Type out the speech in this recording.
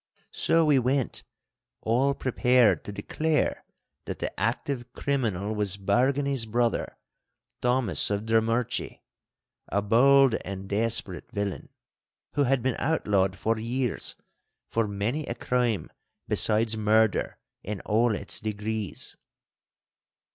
So we went, all prepared to declare that the active criminal was Bargany's brother, Thomas of Drummurchie, a bold and desperate villain, who had been outlawed for years for many a crime besides murder in all its degrees.